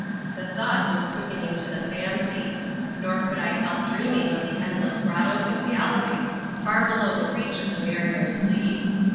The thought was quickening to the fancy ; nor could I help dreaming of the endless grottoes and galleries, far below tjie reach of the mariner's lead.